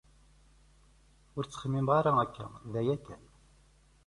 Ur ttxemmimeɣ ara akka daya kan.